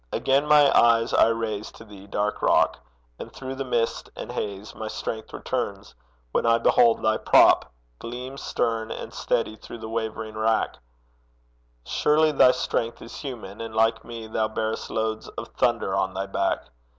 Again my eyes I raise To thee, dark rock; and through the mist and haze My strength returns when I behold thy prop Gleam stern and steady through the wavering wrack Surely thy strength is human, and like me Thou bearest loads of thunder on thy back!